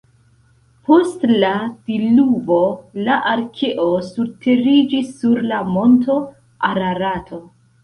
Post la diluvo la arkeo surteriĝis sur la monto Ararato.